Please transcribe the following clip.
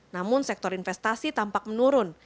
namun sektor investasi tampak menurun